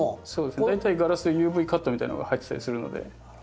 大体ガラスＵＶカットみたいなのが入ってたりするので。